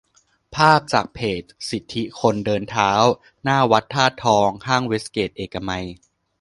ภาพจากเพจ สิทธิคนเดินเท้า - หน้าวัดธาตุทอง ห้างเกตเวย์เอกมัย